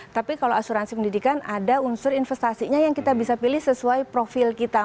tapi kalau asuransi pendidikan ada unsur investasinya yang kita bisa pilih sesuai profil kita